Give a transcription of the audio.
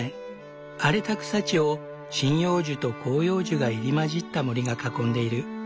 荒れた草地を針葉樹と広葉樹が入り交じった森が囲んでいる。